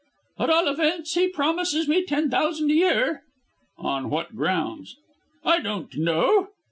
"At all events, he promises me ten thousand a year." "On what grounds?" "I don't know."